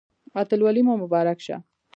اتلولي مو مبارک شه